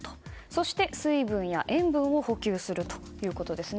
そして、水分や塩分を補給するということですね。